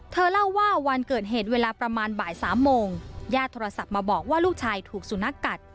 เล่าว่าวันเกิดเหตุเวลาประมาณบ่ายสามโมงญาติโทรศัพท์มาบอกว่าลูกชายถูกสุนัขกัด